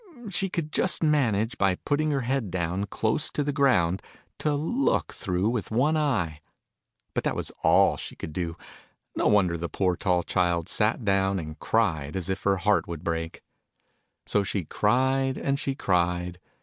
She could just manage, by putting her head down, close to the ground, to look through with one eye ! But that was all she could do. No wonder the poor tall child sat down and cried as if her heart would break. So she cried, and she cried.